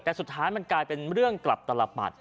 แต่สุดท้ายมันกลายเป็นเรื่องกลับตลปัด